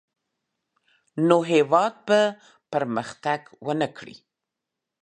نو هېواد به پرمختګ ونه کړي.